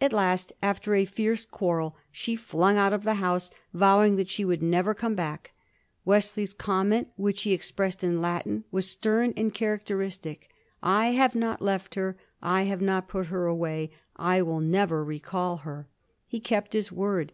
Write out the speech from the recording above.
At last after a fierce quarrel she flung out of the house, vowing that she would never come back. Wesley's comment, which he expressed in Latin, was stem and characteristic: "I have not left her, I have not put her away, I will never recall her." He kept his word.